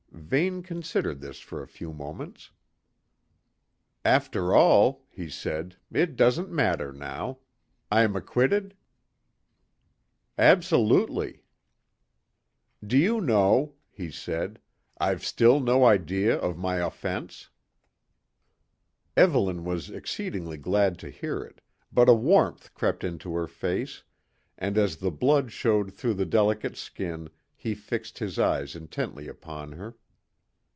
Vane considered this for a few moments. "After all," he said, "it doesn't matter now. I'm acquitted?" "Absolutely." "Do you know," he said, "I've still no idea of my offence?" Evelyn was exceedingly glad to hear it, but a warmth crept into her face, and as the blood showed through the delicate skin he fixed his eyes intently upon her.